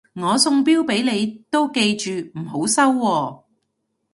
我送錶俾你都記住唔好收喎